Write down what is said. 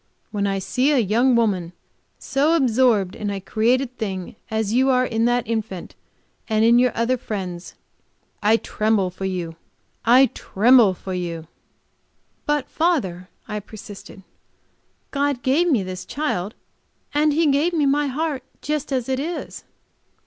When I see a young woman so absorbed in a created being as you are in that infant, and in your other friends, I tremble for you, I tremble for you!" "But, father," I persisted, "God gave me this child, and He gave me my heart, just as it is."